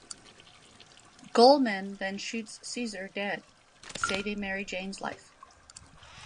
Goldman then shoots Caesar dead, saving Mary Jane's life.